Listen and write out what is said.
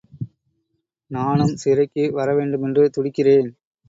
நானும் சிறைக்கு வரவேண்டுமென்று துடிக்கிறேன்.